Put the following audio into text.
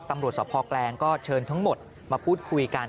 ตำรวจสภแกลงก็เชิญทั้งหมดมาพูดคุยกัน